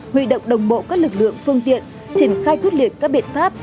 huy động đồng bộ các lực lượng phương tiện triển khai quyết liệt các biện pháp